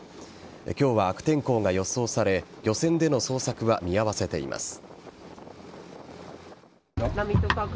今日は悪天候が予想され漁船での捜索は見合わせています。